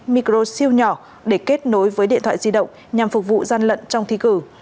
micro siêu nhỏ để kết nối với điện thoại di động nhằm phục vụ gian lận trong thi cử